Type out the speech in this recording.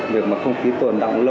việc không khí tồn đọng lâu